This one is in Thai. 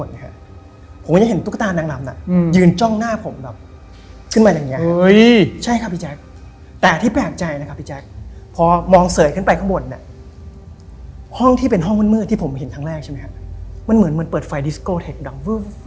แต่ไว้อยู่ใส่ชุดสีแดง